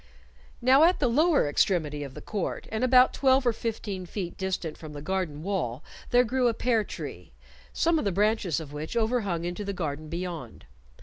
Now at the lower extremity of the court, and about twelve or fifteen feet distant from the garden wall, there grew a pear tree, some of the branches of which overhung into the garden beyond.